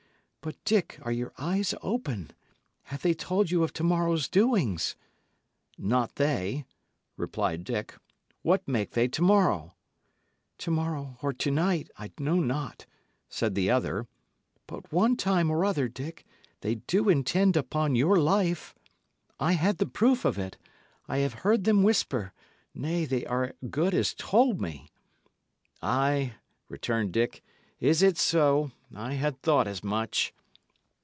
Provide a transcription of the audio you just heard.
But, Dick, are your eyes open? Have they told you of to morrow's doings?" "Not they," replied Dick. "What make they to morrow?" "To morrow, or to night, I know not," said the other, "but one time or other, Dick, they do intend upon your life. I had the proof of it; I have heard them whisper; nay, they as good as told me." "Ay," returned Dick, "is it so? I had thought as much."